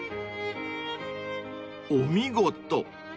［お見事］